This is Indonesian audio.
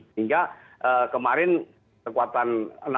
sehingga kemarin kekuatan